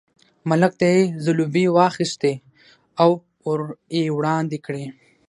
ملک ته یې ځلوبۍ واخیستې او ور یې وړاندې کړې.